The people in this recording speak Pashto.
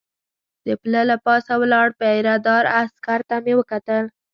د پله له پاسه ولاړ پیره دار عسکر ته مې وکتل.